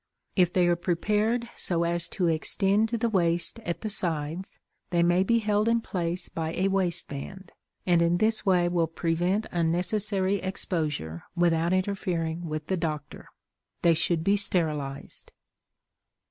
If they are prepared so as to extend to the waist at the sides, they may be held in place by a waistband, and in this way will prevent unnecessary exposure without interfering with the doctor. They should be sterilized.